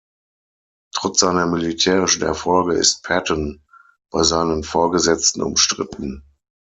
Trotz seiner militärischen Erfolge ist Patton bei seinen Vorgesetzten umstritten.